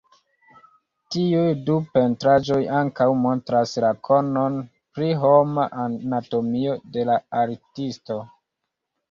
Tiuj du pentraĵoj ankaŭ montras la konon pri homa anatomio de la artisto.